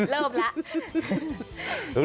เริ่มแล้ว